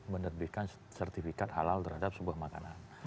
menerbitkan sertifikat halal terhadap sebuah makanan